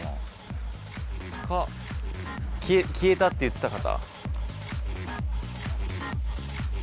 きえたって言ってた方？